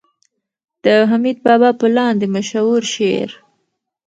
د حميد بابا په لاندې مشهور شعر